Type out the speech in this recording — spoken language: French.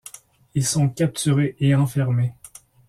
Ils sont capturés et enfermés.